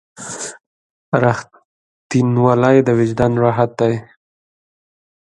• رښتینولی د وجدان راحت دی.